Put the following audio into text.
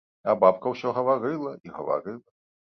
А бабка ўсё гаварыла і гаварыла.